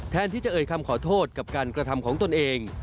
แทนที่จะเอ่ยคำขอโทษกับการกระทำของตนเอง